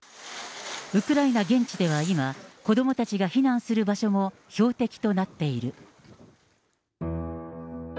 ウクライナ現地では今、子どもたちが避難する場所も標的となっている。